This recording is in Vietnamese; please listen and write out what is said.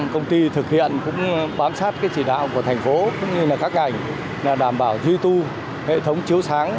công ty thực hiện cũng bám sát cái chỉ đạo của thành phố cũng như là các ngành là đảm bảo thi tu hệ thống chứa sáng